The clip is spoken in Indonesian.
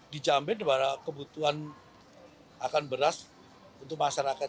dicambil kepada kebutuhan akan beras untuk masyarakat